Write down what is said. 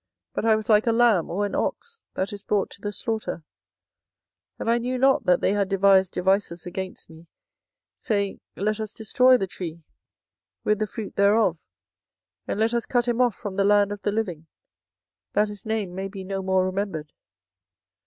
24:011:019 But I was like a lamb or an ox that is brought to the slaughter; and I knew not that they had devised devices against me, saying, Let us destroy the tree with the fruit thereof, and let us cut him off from the land of the living, that his name may be no more remembered.